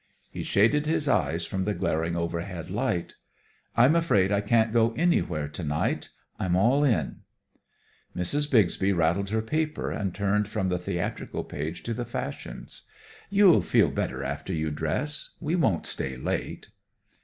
He shaded his eyes from the glaring overhead light. "I'm afraid I can't go anywhere to night. I'm all in." Mrs. Bixby rattled her paper, and turned from the theatrical page to the fashions. "You'll feel better after you dress. We won't stay late."